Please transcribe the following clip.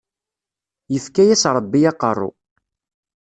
Yefka-yas rebbi aqerru.